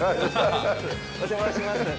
お邪魔します。